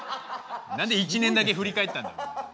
何で１年だけ振り返ったんだ？